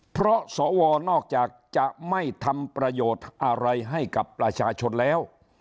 เพราะสวนอกจากจะไม่ทำประโยชน์อะไรให้กับประชาชนแล้ว